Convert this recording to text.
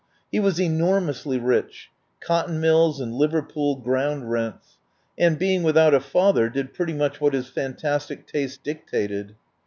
He was enormously rich — cotton mills and Liver pool ground rents — and, being without a fa ther, did pretty much what his fantastic taste dictated.